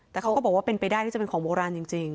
แต่เขาก็บอกว่าเป็นไปได้ที่จะเป็นของโบราณจริง